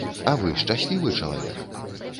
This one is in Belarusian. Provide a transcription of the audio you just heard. А вы шчаслівы чалавек?